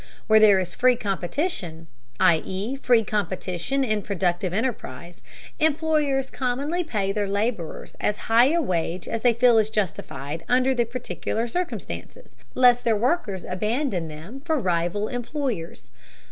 Where there is free competition, i.e. free competition in productive enterprise, employers commonly pay their laborers as high a wage as they feel is justified under the particular circumstances, lest their workmen abandon them for rival employers.